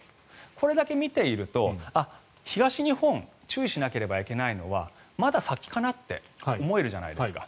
これだけ見ているとあっ、東日本注意しなければいけないのはまだ先かなって思うじゃないですか。